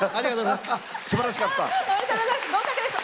すばらしかった。